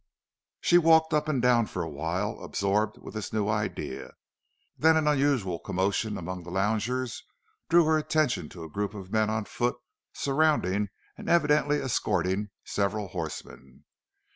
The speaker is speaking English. She walked up and down for a while, absorbed with this new idea. Then an unusual commotion among the loungers drew her attention to a group of men on foot surrounding and evidently escorting several horsemen.